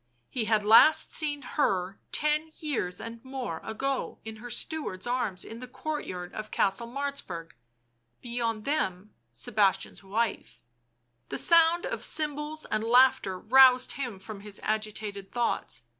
He had last seen her ten years, and more, ago in her steward's arms in the courtyard of Castle Martzburg; beyond them Sebastian's wife. ... The sound of cymbals and laughter roused him from his agitated thoughts.